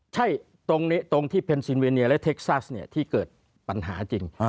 ใช่ตรงนี้ตรงที่เพนซินเวเนียและเท็กซาสเนี่ยที่เกิดปัญหาจริง